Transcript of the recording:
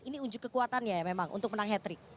ini unjuk kekuatannya ya memang untuk menang hat trick